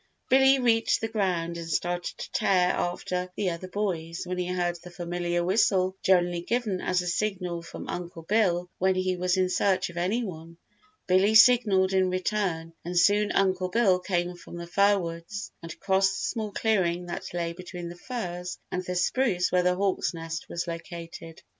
Billy reached the ground and started to tear after the other boys when he heard the familiar whistle generally given as a signal from Uncle Bill when he was in search of any one. Billy signalled in return and soon Uncle Bill came from the fir woods and crossed the small clearing that lay between the firs and the spruce where the hawk's nest was located.